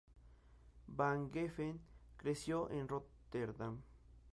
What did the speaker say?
Van Geffen creció en Róterdam.